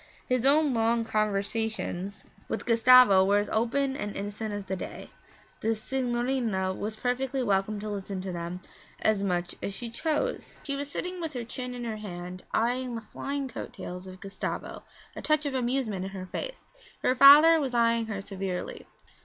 His own long conversations with Gustavo were as open and innocent as the day; the signorina was perfectly welcome to listen to them as much as she chose. She was sitting with her chin in her hand, eyeing the flying coat tails of Gustavo, a touch of amusement in her face. Her father was eyeing her severely.